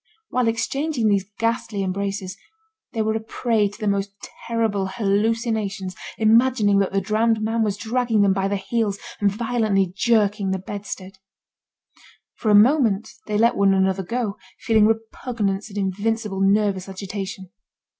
While exchanging these ghastly embraces, they were a prey to the most terrible hallucinations, imagining that the drowned man was dragging them by the heels, and violently jerking the bedstead. For a moment they let one another go, feeling repugnance and invincible nervous agitation.